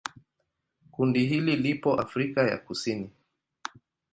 Kundi hili lipo Afrika ya Kusini.